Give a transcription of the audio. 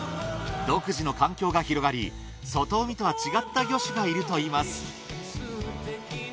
独自の環境が広がり外海とは違った魚種がいるといいます